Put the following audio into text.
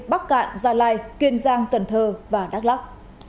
bắc cạn gia lai kiên giang cần thơ và đắk lắc